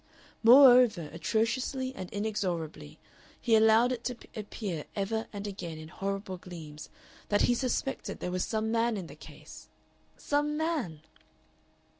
Moreover, atrociously and inexorably, he allowed it to appear ever and again in horrible gleams that he suspected there was some man in the case.... Some man!